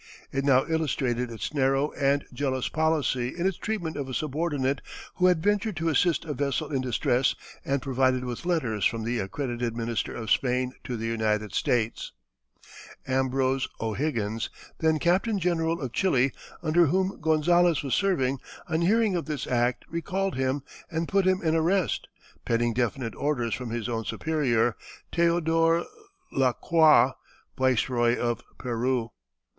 It now illustrated its narrow and jealous policy in its treatment of a subordinate who had ventured to assist a vessel in distress and provided with letters from the accredited minister of Spain to the United States. Ambrose O'Higgins, then captain general of Chili, under whom Gonzales was serving, on hearing of this act recalled him and put him in arrest, pending definite orders from his own superior, Teodor Lacroix, viceroy of Peru.